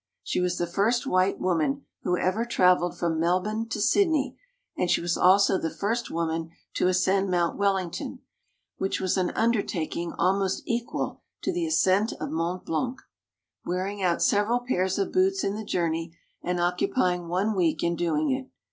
She was the first white woman who ever traveled from Melbourne to Sydney, and she was also the first woman SKETCHES OF TRAVEL to ascend Mount Wellington (which was an undertaking almost equal to the ascent of Mont Blanc), wearing out several pairs of boots in the journey and occupying one week in doing it.